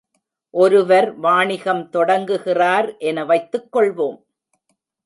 ஒருவர் வாணிகம் தொடங்குகிறார் என வைத்துக் கொள்வோம்.